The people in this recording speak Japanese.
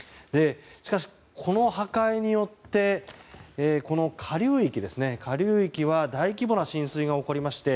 しかし、この破壊によって下流域は大規模な浸水が起こりまして